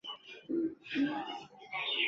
暗圆帆鱼为钻光鱼科圆帆鱼属的鱼类。